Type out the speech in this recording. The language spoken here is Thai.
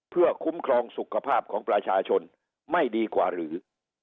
เพื่อคุ้มครองสุขภาพของประชาชนไม่ดีกว่าหรือ